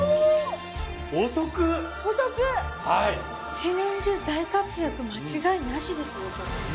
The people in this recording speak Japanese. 一年中大活躍間違いなしですよこれ。